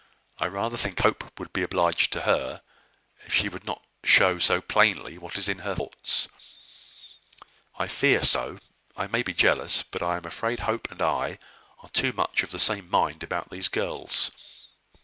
I rather think Hope would be obliged to her if she would not show so plainly what is in her thoughts. I fear so, I may be jealous, but I am afraid Hope and I are too much of the same mind about these girls.